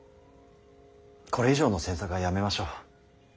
これ以上の詮索はやめましょう。